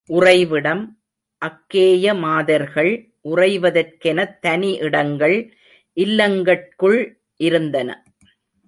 உறைவிடம் அக்கேய மாதர்கள் உறைவதற்கெனத் தனி இடங்கள் இல்லங்கட்குள் இருந்தன.